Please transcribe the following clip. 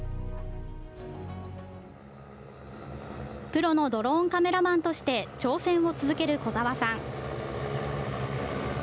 プロのドローンカメラマンとして挑戦を続ける小澤さん。